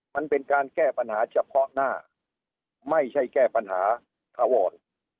มันเป็นการแก้ปัญหาเฉพาะหน้าไม่ใช่แก้ปัญหาถาวร